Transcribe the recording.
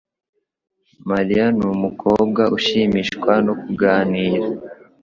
Mariya numukobwa ushimishwa no kuganira